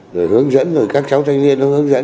rồi hướng dẫn rồi các cháu thanh niên nó hướng dẫn